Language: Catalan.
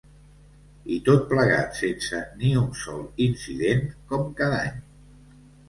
I tot plegat sense ni un sol incident, com cada any.